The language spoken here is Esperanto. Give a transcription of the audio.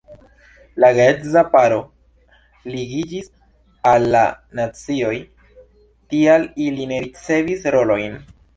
La geedza paro ligiĝis al la nazioj, tial ili ne ricevis rolojn.